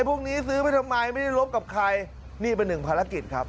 พวกนี้ซื้อไปทำไมไม่ได้ลบกับใครนี่เป็นหนึ่งภารกิจครับ